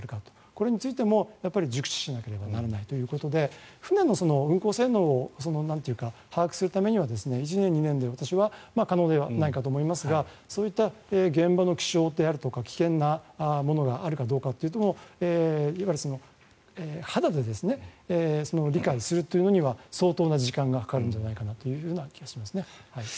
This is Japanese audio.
これについても熟知しなければならないということで船の運航性能を把握するためには１年、２年で私は可能ではないかと思いますがそういった現場の気象であるとか危険なものがあるかどうかというのはいわば肌で理解するというのには相当な時間がかかるんじゃないかという気がします。